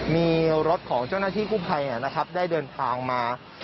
มีรถของเจ้าหน้าที่กู้ภัยนะครับได้เดินทางมา